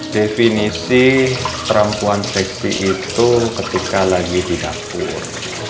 definisi perempuan seksi itu ketika lagi di dapur